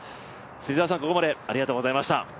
芹澤さん、ここまでありがとうございました。